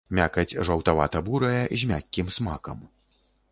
Мякаць жаўтавата-бурая з мяккім смакам.